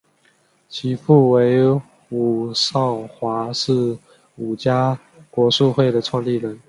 其父为伍绍华是伍家国术会的创立人。